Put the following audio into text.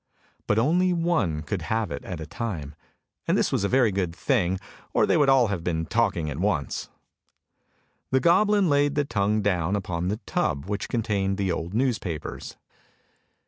But only one could have it at a time, and this was a very good thing or they would all have been talking at once. The goblin laid the tongue down upon the tub which con tained the old newspapers.